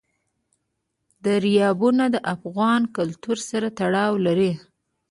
دریابونه د افغان کلتور سره تړاو لري.